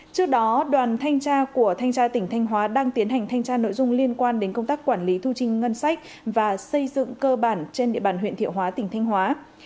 trước đó đoàn thanh tra của thanh tra tỉnh thanh hóa đang tiến hành thanh tra nội dung liên quan đến công tác quản lý thu chi ngân sách và xây dựng cơ bản trên địa bàn huyện thiệu hóa tỉnh thanh hóa